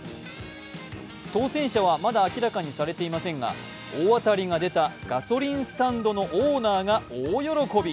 当せん者はまだ明らかにされていませんが、大当たりが出たガソリンスタンドのオーナーが大喜び。